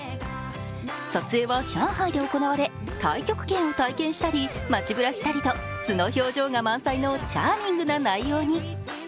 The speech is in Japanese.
撮影は上海で行われ、太極拳を体験したり、街ブラしたりと、素の表情が満載のチャーミングな内容に。